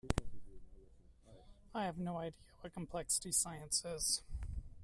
I have no idea what complexity science is.